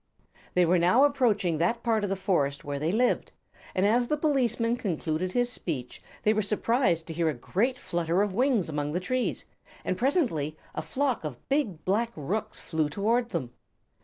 They were now approaching that part of the forest where they lived, and as the policeman concluded his speech they were surprised to hear a great flutter of wings among the trees, and presently a flock of big black rooks flew toward them.